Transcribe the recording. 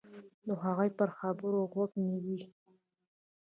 د هغوی پر خبرو غوږ نیوی.